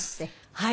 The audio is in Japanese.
はい。